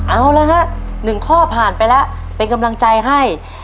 เอาละฮะ๑ข้อผ่านไปแล้วเป็นกำลังใจให้